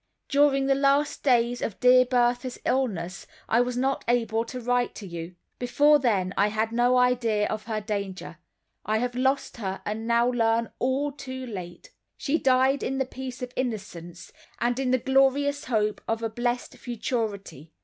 During the last days of dear Bertha's illness I was not able to write to you. Before then I had no idea of her danger. I have lost her, and now learn all, too late. She died in the peace of innocence, and in the glorious hope of a blessed futurity.